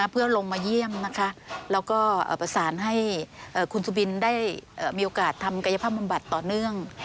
เพื่อลงมาเยี่ยมแล้วก็ประสานให้คุณสุบินได้มีโอกาสทำกายภาพบำบัดต่อเนื่อง